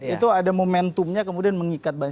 itu ada momentumnya kemudian mengikat banyak